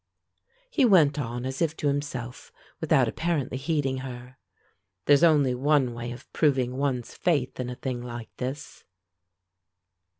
He went on as if to himself without apparently heeding her. "There's only one way of proving one's faith in a thing like this."